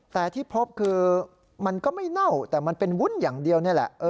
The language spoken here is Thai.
แต่ที่พบคือมันก็ไม่เน่าแต่มันเป็นวุ่นอย่างเดียวนี่แหละ